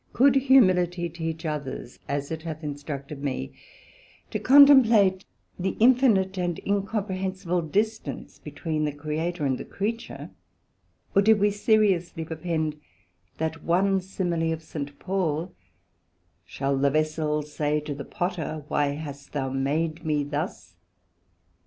Could Humility teach others, as it hath instructed me, to contemplate the infinite and incomprehensible distance betwixt the Creator and the Creature; or did we seriously perpend that one simile of St. Paul, Shall the Vessel say to the Potter, Why hast thou made me thus?